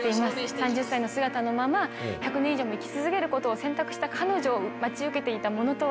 ３０歳の姿のまま１００年以上も生き続けることを選択した彼女を待ち受けていたものとは。